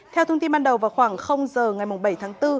theo thông tin ban đầu vào khoảng giờ ngày bảy tháng bốn